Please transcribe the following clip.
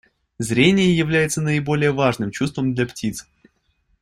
Зрение является наиболее важным чувством для птиц.